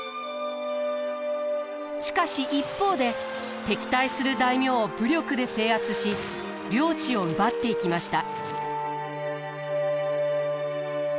しかし一方で敵対する大名を武力で制圧し領地を奪っていきました。